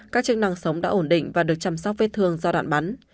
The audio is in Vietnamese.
các chức năng sống đã ổn định và được chăm sóc vết thương do đoạn bắn